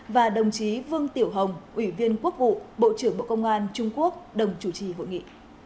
và đồng chí vương tiểu hồng ủy viên quốc vụ bộ trưởng bộ công an trung quốc đồng chủ trì hội nghị